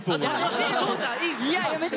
いややめて！